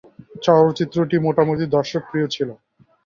চলচ্চিত্রটি মোটামুটি দর্শকপ্রিয় ছিলো।